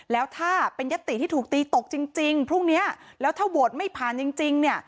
แล้วถ้าเป็นยัตติที่ถูกตีตกจริงพรุ่งนี้แล้วถ้าโหวตไม่ผ่านจริงเนี่ย